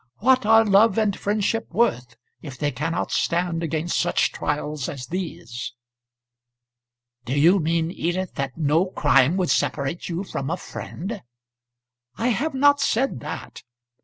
What are love and friendship worth if they cannot stand against such trials as these?" "Do you mean, Edith, that no crime would separate you from a friend?" "I have not said that.